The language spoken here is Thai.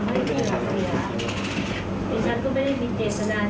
เต็มด้วยอารมณ์ที่เป็นคุกเตี้ยมันก็เลยทำให้